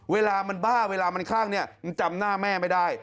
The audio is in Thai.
เวลามันบ้าเวลามันคลั่งจำหน้าแม่ไม่ได้